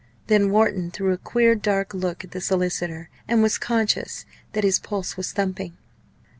Then Wharton threw a queer dark look at the solicitor, and was conscious that his pulse was thumping.